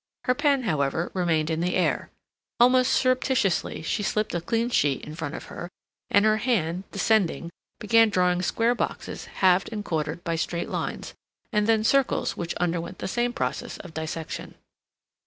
Her pen, however, remained in the air. Almost surreptitiously she slipped a clean sheet in front of her, and her hand, descending, began drawing square boxes halved and quartered by straight lines, and then circles which underwent the same process of dissection.